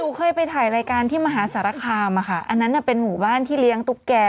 เคยไปถ่ายรายการที่มหาสารคามอะค่ะอันนั้นเป็นหมู่บ้านที่เลี้ยงตุ๊กแก่